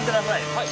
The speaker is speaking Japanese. はい。